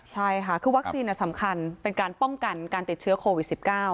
ใช่ค่ะคือวัคซีนสำคัญเป็นการป้องกันการติดเชื้อโควิด๑๙